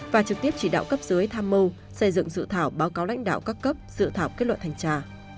và trực tiếp chỉ đạo cấp dưới tham mâu xây dựng sự thảo báo cáo lãnh đạo các cấp sự thảo kết luận thanh tra